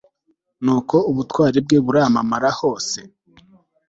nuko ubutwari bwe buramamara hose